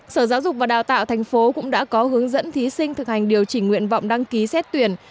sở giáo dục và đào tạo thành phố cũng đã có hướng dẫn thí sinh thực hành điều chỉnh nguyện vọng đăng ký xét tuyển